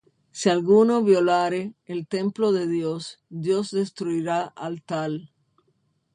Si alguno violare el templo de Dios, Dios destruirá al tal: